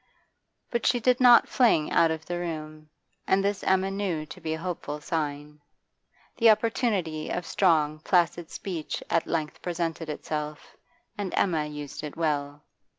But she did not fling out of the room, and this Emma knew to be a hopeful sign. The opportunity of strong, placid speech at length presented itself, and Emma used it well.